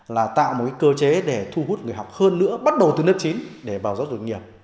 là tạo một cơ chế để thu hút người học hơn nữa bắt đầu từ lớp chín để vào giáo dục nghiệp